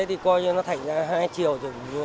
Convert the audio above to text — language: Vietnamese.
thì coi như nó thành ra hai chiều